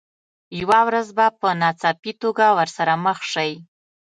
یوه ورځ به په ناڅاپي توګه ورسره مخ شئ.